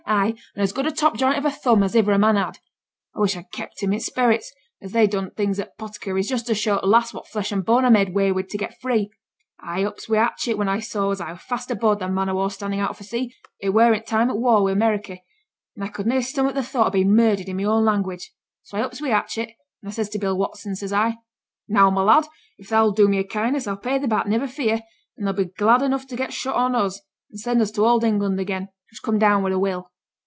Ay! and as good a top joint of a thumb as iver a man had? I wish I'd kept 'em i' sperits, as they done things at t' 'potticary's, just to show t' lass what flesh and bone I made away wi' to get free. I ups wi' a hatchet when I saw as I were fast a board a man o' war standing out for sea it were in t' time o' the war wi' Amerikay, an' I could na stomach the thought o' being murdered i' my own language so I ups wi' a hatchet, and I says to Bill Watson, says I, "Now, my lad, if thou'll do me a kindness, I'll pay thee back, niver fear, and they'll be glad enough to get shut on us, and send us to old England again. Just come down with a will."